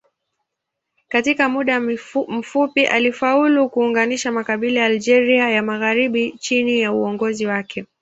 Katika muda mfupi alifaulu kuunganisha makabila ya Algeria ya magharibi chini ya uongozi wake.